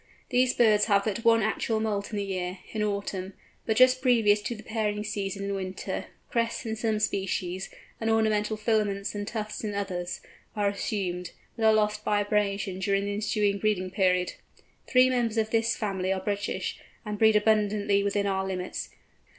These birds have but one actual moult in the year, in autumn, but just previous to the pairing season in winter, crests in some species, and ornamental filaments and tufts in others, are assumed, but are lost by abrasion during the ensuing breeding period. Three members of this family are British, and breed abundantly within our limits.